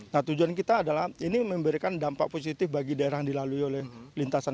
nah tujuan kita adalah ini memberikan dampak positif bagi daerah yang dilalui oleh lintasan